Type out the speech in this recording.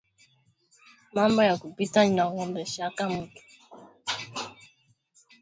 Mambo ya kupita inagondeshaka mutu